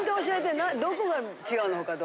どこが違うの他と？